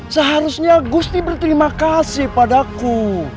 seharusnya gusti berterima kasih padaku